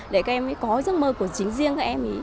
để các em ấy có giấc mơ của chính riêng các em ý